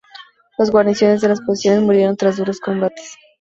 Las guarniciones de las posiciones murieron tras duros combates.